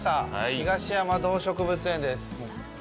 東山動植物園です。